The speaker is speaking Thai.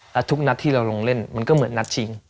และทุกนัดที่เราลงเล่นมันก็เหมือนนัดชิง